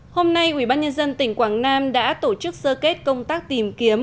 hôm nay ubnd tỉnh quảng nam đã tổ chức sơ kết công tác tìm kiếm